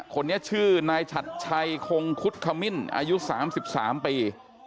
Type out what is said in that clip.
คนนี้ชื่อนายฉัดชัยคงคุดขมิ้นอายุ๓๓ปี